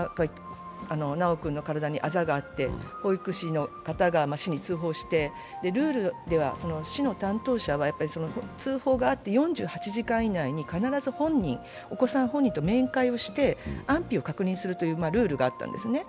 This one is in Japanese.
修君の体にあざがあって、保育士の方が市に通報して、ルールでは、市の担当者は通報があって４８時間以内に必ずお子さん本人と面会をして、安否を確認するというルールがあったんですね。